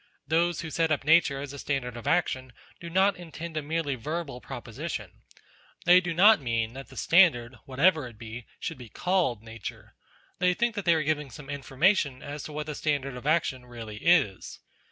Those who set up Nature as a NATURE 13 standard of action do not intend a merely verbal pro position ; they do not mean that the standard, whatever it be, should be called Nature ; they think they are giving some information as to what the standard of action really is.